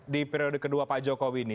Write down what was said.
di periode kedua pak jokowi ini